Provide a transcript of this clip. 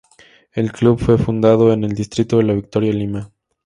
El club fue fundado en el Distrito de La Victoria, Lima.